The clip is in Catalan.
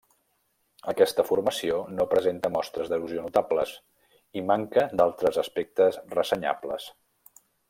Aquesta formació no presenta mostres d'erosió notables, i manca d'altres aspectes ressenyables.